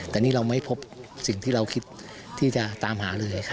แต่นี่เราไม่พบสิ่งที่เราคิดที่จะตามหาเลย